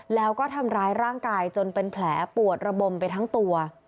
แล้วก็ทำร้ายร่างกายจนเป็นแผลปวดระบมไปทั้งตัว